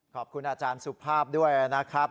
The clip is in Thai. ขอบคุณอาจารย์สุภาพด้วยนะครับ